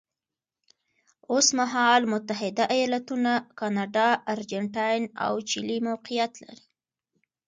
اوس مهال متحده ایالتونه، کاناډا، ارجنټاین او چیلي موقعیت لري.